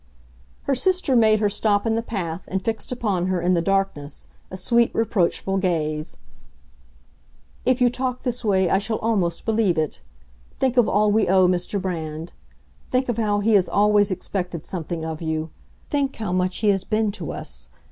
Her sister made her stop in the path, and fixed upon her, in the darkness, a sweet, reproachful gaze. "If you talk this way I shall almost believe it. Think of all we owe Mr. Brand. Think of how he has always expected something of you. Think how much he has been to us.